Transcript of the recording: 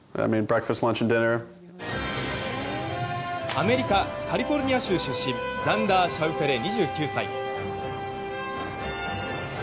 アメリカカリフォルニア州出身ザンダー・シャウフェレ２９歳。